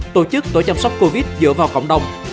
tổ chức tuổi chăm sóc covid dựa vào cộng đồng